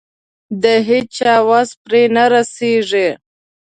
د هيچا وس پرې نه رسېږي.